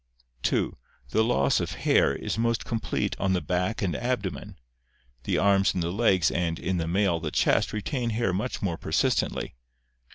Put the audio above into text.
(2) The loss [of hair] is most complete on the back and abdo men. The arms and the legs and, in the male, the chest, retain hair much more persistently.